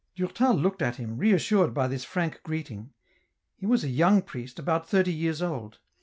Durtal looked at him reassured by this frank greeting ; he was a young priest, about thirty years old.